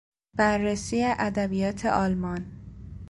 بررسی ادبیات آلمان